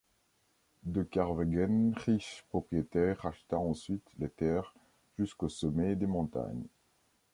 De Kervéguen, riche propriétaire racheta ensuite les terres jusqu'au sommet des montagnes.